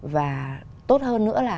và tốt hơn nữa là